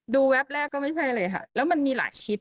แวบแรกก็ไม่ใช่เลยค่ะแล้วมันมีหลายคลิป